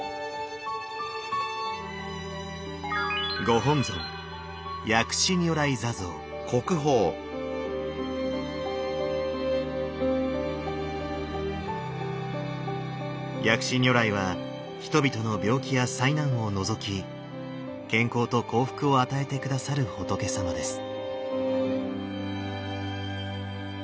ご本尊薬師如来は人々の病気や災難を除き健康と幸福を与えて下さる仏様です。